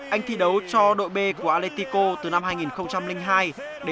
anh thi đấu cho đội b của atletico madrid